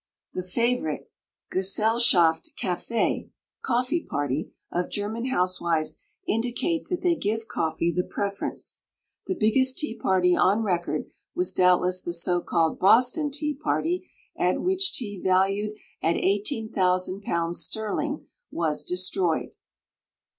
The favorite Gesellschaft Kaffee, coffee party, of German housewives indicates that they give coffee the preference. The biggest tea party on record was doubtless the so called Boston Tea Party, at which tea valued at £18,000 sterling was destroyed.